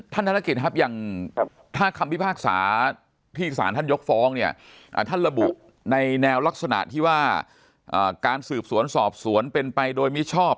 ธนกิจครับอย่างถ้าคำพิพากษาที่สารท่านยกฟ้องเนี่ยท่านระบุในแนวลักษณะที่ว่าการสืบสวนสอบสวนเป็นไปโดยมิชอบ